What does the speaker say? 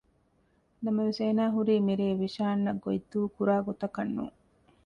ނަމަވެސް އޭނާ ހުރީ މިރޭ ވިޝާން އަށް ގޮތް ދޫކުރާ ގޮތަކަށް ނޫން